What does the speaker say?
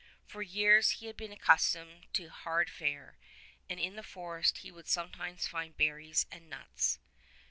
For years he had been accustomed to hard fare, and in the forest he would sometimes find berries and nuts.